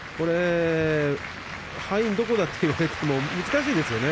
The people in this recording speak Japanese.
敗因はどこだと言われても難しいですよね。